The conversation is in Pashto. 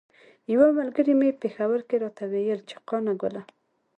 یوه ملګري مې په پیښور کې راته ویل چې قانه ګله.